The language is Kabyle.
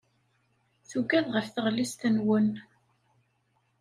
Tuggad ɣef tɣellist-nwen.